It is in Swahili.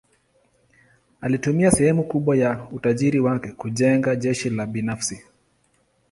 Alitumia sehemu kubwa ya utajiri wake kujenga jeshi la binafsi.